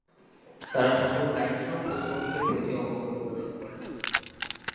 তারা সকল কায়িক শ্রম ও শ্রমিকের প্রতি অবজ্ঞা প্রদর্শন করে।